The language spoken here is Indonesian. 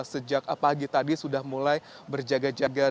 sejak pagi tadi sudah mulai berjaga jaga